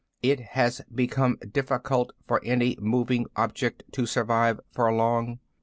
It has become difficult for any moving object to survive for long.